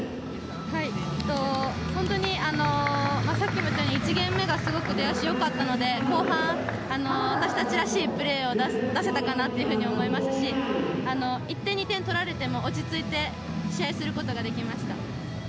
本当にさっきも言ったように１ゲームが目がすごく出足が良かったので後半、私たちらしいプレーが出せたかなと思いますし１点、２点取られても落ち着いて試合することができました。